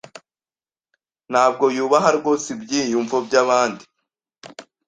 Ntabwo yubaha rwose ibyiyumvo byabandi .